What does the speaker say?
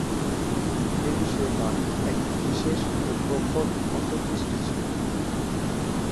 এ বিষয়ে তাঁর এক বিশেষ ও প্রখর অন্তর্দৃষ্টি ছিল।